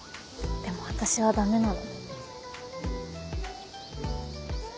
でも私はダメなの。